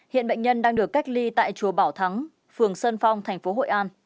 hiện bệnh nhân đang được cách ly tại chùa bảo thắng phường sơn phong tp hội an